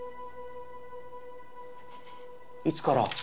いつから？